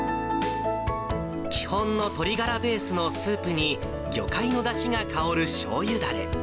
基本の鶏ガラベースのスープに、魚介のだしが香るしょうゆだれ。